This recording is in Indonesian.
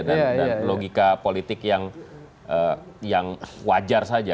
dan logika politik yang wajar saja